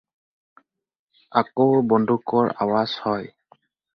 আকৌ বন্দুকৰ আৱাজ হয়।